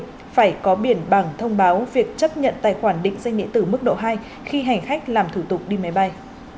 phải có biển bảng thông báo việc chấp nhận tài khoản định danh điện tử mức độ hai khi hành khách làm thủ tục đi máy bay